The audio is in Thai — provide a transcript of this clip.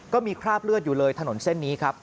คราบเลือดอยู่เลยถนนเส้นนี้ครับ